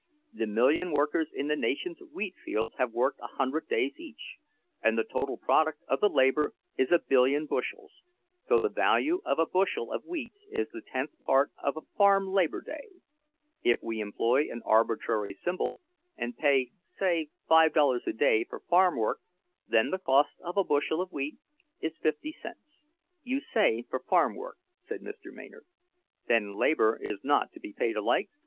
The million workers in the nation's wheat fields have worked a hundred days each, and the total product of the labor is a billion bushels, so the value of a bushel of wheat is the tenth part of a farm labor day. If we employ an arbitrary symbol, and pay, say, five dollars a day for farm work, then the cost of a bushel of wheat is fifty cents." "You say 'for farm work,'" said Mr. Maynard. "Then labor is not to be paid alike?"